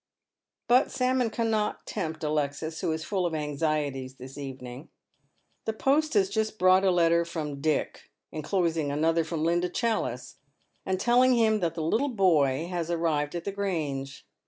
But salmon cannot tempt Alexis, who Is full of anxieties this evening. The post has just brought a letter from Dick, enclosing another fi om Linda Challice, and telling him that the little boy has arrived at the Grange.